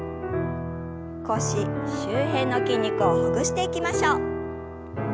腰周辺の筋肉をほぐしていきましょう。